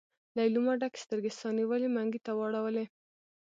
ليلما ډکې سترګې سا نيولي منګلي ته واړولې.